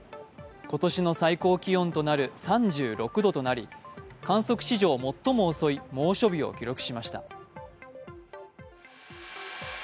今年の最高気温となる３６度となり観測史上最も遅い猛暑日を記録しました。